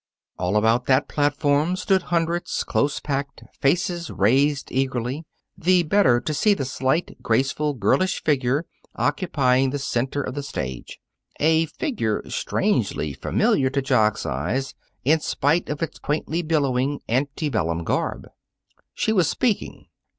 All about that platform stood hundreds, close packed, faces raised eagerly, the better to see the slight, graceful, girlish figure occupying the center of the stage a figure strangely familiar to Jock's eyes in spite of its quaintly billowing, ante bellum garb. She was speaking.